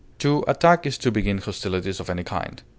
To attack is to begin hostilities of any kind.